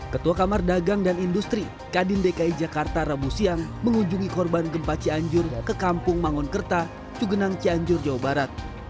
ketua kamar dagang dan industri kadin dki jakarta rabu siang mengunjungi korban gempa cianjur ke kampung mangon kerta cugenang cianjur jawa barat